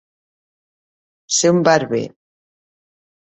Ser un barber.